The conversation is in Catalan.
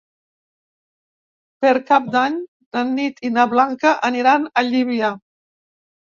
Per Cap d'Any na Nit i na Blanca aniran a Llívia.